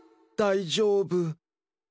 大丈夫。